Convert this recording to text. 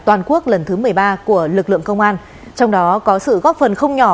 toàn quốc lần thứ một mươi ba của lực lượng công an trong đó có sự góp phần không nhỏ